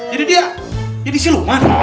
jadi dia jadi siuman